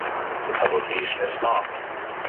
The publication is stopped.